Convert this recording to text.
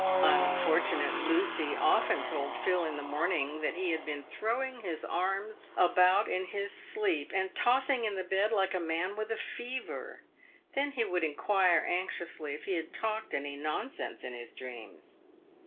Unfortunate Lucy often told Phil in the morning that he had been throwing his arms about in his sleep, and tossing in the bed like a man with a fever. Then he would inquire anxiously if he had talked any nonsense in his dreams.